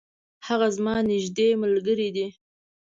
هغه زما نیږدي ملګری دی.